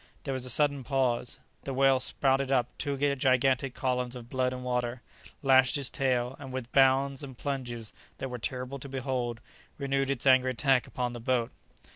There was a sudden pause. The whale spouted up two gigantic columns of blood and water, lashed its tail, and, with bounds and plunges that were terrible to behold, renewed its angry attack upon the boat.